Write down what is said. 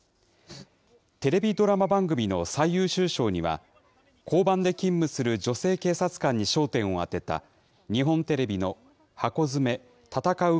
テレビドラマ番組の最優秀賞には、交番で勤務する女性警察官に焦点を当てた、日本テレビのハコヅメたたかう！